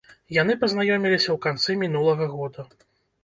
Яны пазнаёміліся ў канцы мінулага года.